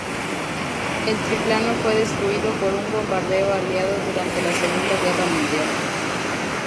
El triplano fue destruido por un bombardeo aliado durante la Segunda Guerra Mundial.